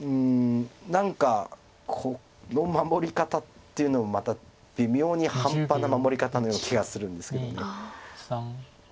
何かこの守り方っていうのもまた微妙に半端な守り方のような気がするんですけど。